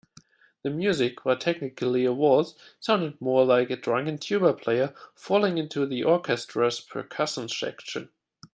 The music, while technically a waltz, sounded more like a drunken tuba player falling into the orchestra's percussion section.